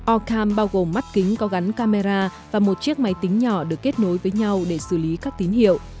orcam bao gồm mắt kính có gắn camera và một chiếc máy tính nhỏ được kết nối với nhau để xử lý các tín hiệu